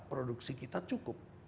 produksi kita cukup